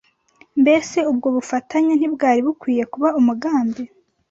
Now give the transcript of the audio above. Mbese, ubwo bufatanye ntibwari bukwiriye kuba umugambi